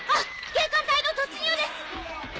警官隊の突入です！